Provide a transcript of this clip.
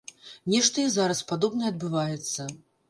Нешта і зараз падобнае адбываецца.